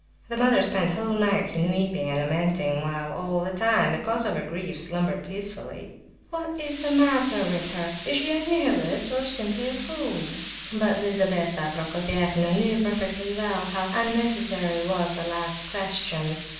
The mother spent whole nights in weeping and lamenting, while all the time the cause of her grief slumbered peacefully. "What is the matter with her? Is she a Nihilist, or simply a fool?" But Lizabetha Prokofievna knew perfectly well how unnecessary was the last question.